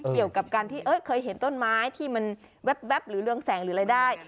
เกี่ยวกับการที่เคยเห็นต้นไม้ที่มันแว๊บหรือเรืองแสงหรืออะไรได้